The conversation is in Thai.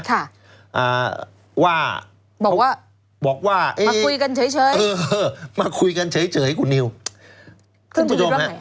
ค่ะบอกว่ามาคุยกันเฉยมาคุยกันเฉยคุณนิวคุณผู้ชมนะ